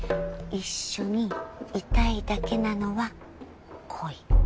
一緒にいたいだけなのは恋。